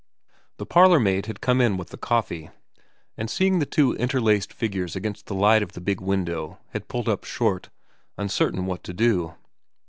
The parlourmaid had come in with the coffee ; and seeing the two interlaced figures against the light of the big window had pulled up short, uncertain what to do.